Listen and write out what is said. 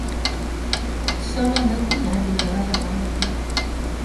Són el meu cunyat i la meva germana petita.